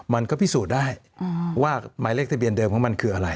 มันก็พิสูจน์ได้ว่าหมายเลขทะเบียนเดิมของมันคืออะไร